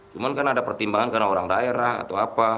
cuma kan ada pertimbangan karena orang daerah atau apa